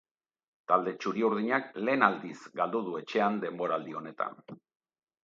Talde txuri-urdinak lehen aldiz galdu du etxean denboraldi honetan.